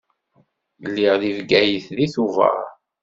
Lliɣ deg Bgayet deg Tubeṛ.